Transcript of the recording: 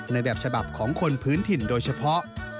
แบบฉบับของคนพื้นถิ่นโดยเฉพาะ